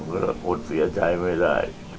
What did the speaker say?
ก็เอาตัวเสียใจไม่ได้